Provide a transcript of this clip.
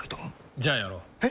じゃあやろう。え？